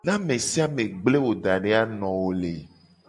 Ne ame sia me gble wo da de a, no wo le.